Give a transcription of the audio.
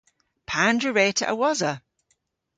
Pandr'a wre'ta a-wosa?